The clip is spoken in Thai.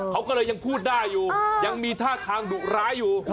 เขาก็เลยยังพูดได้อยู่ยังมีท่าทางดุร้ายอยู่